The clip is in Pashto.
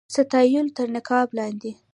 ستایلو تر نقاب لاندي.